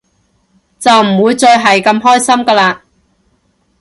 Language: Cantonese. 就唔會再係咁開心㗎喇